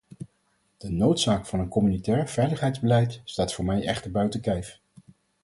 De noodzaak van een communautair veiligheidsbeleid staat voor mij echter buiten kijf.